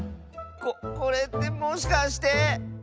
ここれってもしかして。